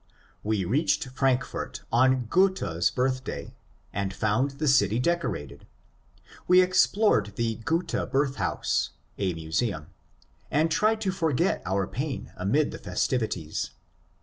We reached Frankfort on Goethe's birthday, and found the city decorated. We explored the Goethe Birth house (a museum), and tried to forget our pain amid the festivities.